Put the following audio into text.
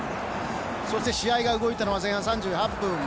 そして試合が動いたのは前半３８分。